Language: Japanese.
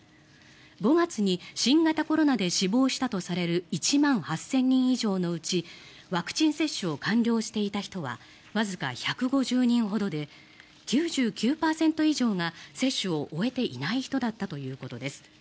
５月に新型コロナで死亡したとされる１万８０００人以上のうちワクチン接種を完了していた人はわずか１５０人ほどで９９％以上が接種を終えていない人だったということです。